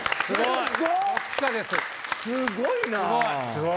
すごいな！